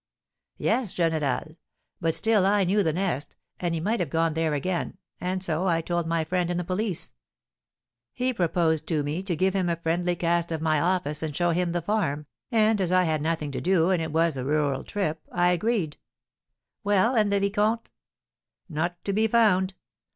"Yes, general; but still I knew the nest, and he might have gone there again, and so I told my friend in the police. He proposed to me to give him a friendly cast of my office and show him the farm, and as I had nothing to do and it was a rural trip, I agreed." "Well, and the vicomte?" "Not to be found.